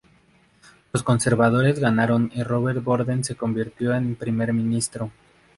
Los conservadores ganaron y Robert Borden se convirtió en primer ministro.